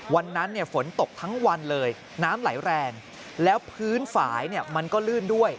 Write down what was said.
วันนั้นฝนตกทั้งวันเลยน้ำไหลแรงแล้วพื้นฝ่ายมันก็ลื่นด้วย